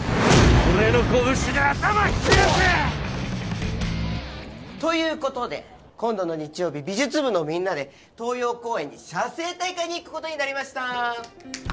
俺の拳で頭冷やせ！ということで今度の日曜日美術部のみんなで東葉公園に写生大会に行くことになりました。